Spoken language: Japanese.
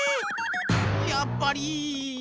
やっぱり。